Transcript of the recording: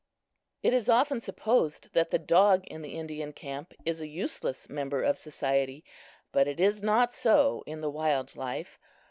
It is often supposed that the dog in the Indian camp is a useless member of society, but it is not so in the wild life.